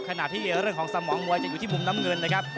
ขณะที่เรื่องของสมองมวยจะอยู่ที่มุมน้ำเงินนะครับ